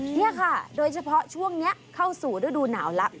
นี่ค่ะโดยเฉพาะช่วงนี้เข้าสู่ฤดูหนาวแล้ว